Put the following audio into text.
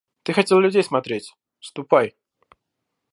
Ты хотел людей смотреть, ступай.